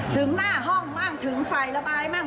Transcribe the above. ถึงหน้าห้องมากถึงฝ่ายระบายมาก